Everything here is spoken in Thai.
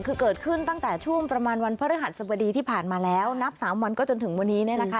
คือเกิดขึ้นตั้งแต่ช่วงประมาณวันพระฤหัสสบดีที่ผ่านมาแล้วนับสามวันก็จนถึงวันนี้เนี่ยนะคะ